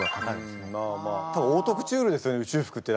多分オートクチュールですよね宇宙服って。